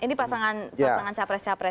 ini pasangan capres capres